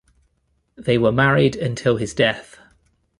They were married until his death.